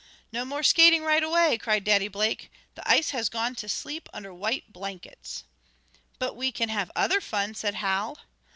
"No more skating right away!" cried Daddy Blake, "The ice has gone to sleep under white blankets." "But we can have other fun!" said Hal.